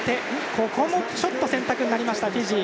ここも、ショットの選択になりました、フィジー。